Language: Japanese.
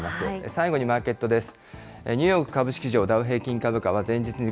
最後にマーケットです。